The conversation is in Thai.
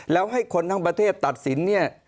แล้วให้คนทั้งประเทศตัดสินเนี่ย